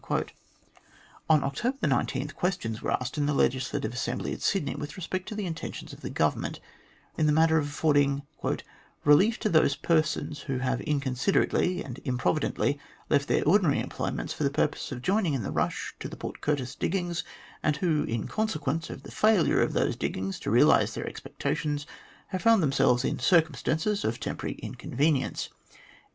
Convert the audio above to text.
On October 19 questions were asked in the Legislative Assembly at Sydney, with respect to the intentions of the Government in the matter of affording "relief to those persons who have inconsiderately and improvidently left their ordinary employments for the purpose of joining in the rush to the Port Curtis diggings ; and who, in consequence of the failure of those diggings to realise their expecta tions, have found themselves in circumstances of temporary inconvenience."